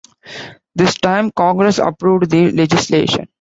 This time Congress approved the legislation.